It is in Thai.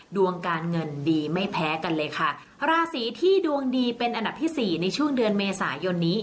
ดวงการเงินดีไม่แพ้กันเลยค่ะราศีที่ดวงดีเป็นอันดับที่สี่ในช่วงเดือนเมษายนนี้